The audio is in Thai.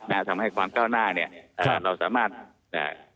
น่าจะทำให้ความเก้าหน้าเนี้ยครับเราสามารถเอ่อ